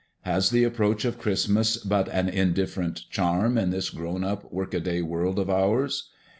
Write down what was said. Has the approach of Christmas but an indifferent charm in this grown up work a day world of ours?